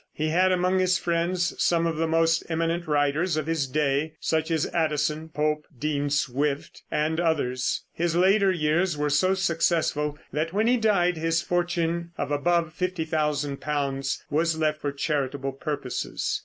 He had among his friends some of the most eminent writers of his day, such as Addison, Pope, Dean Swift and others. His later years were so successful that when he died his fortune of above £50,000 was left for charitable purposes.